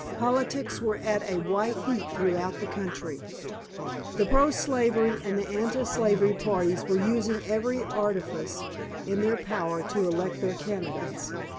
Politics were at a white heat throughout the country. The pro slavery and anti slavery parties were each using every artifice in their power to elect their candidates.